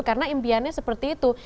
karena impiannya seperti itu